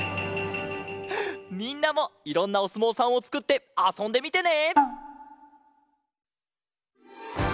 みんなもいろんなおすもうさんをつくってあそんでみてね！